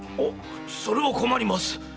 それは困ります。